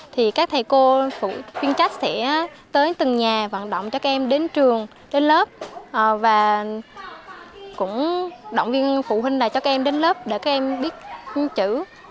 thì các thầy cô chuyên trách sẽ tới từng nhà vận động cho các em đến trường đến lớp và cũng động viên phụ huynh này cho các em đến lớp để các em biết chữ